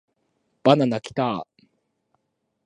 バナナキターーーーーー